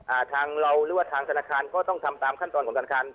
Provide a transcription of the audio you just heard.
ทางเราหรือว่าทางธนาคารก็ต้องทำตามขั้นตอนของธนาคาร